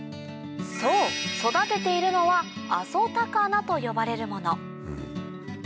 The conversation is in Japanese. そう育てているのは「阿蘇高菜」と呼ばれるもの